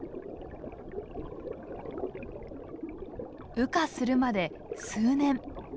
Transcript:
羽化するまで数年